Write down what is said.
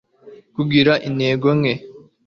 kugira intege nke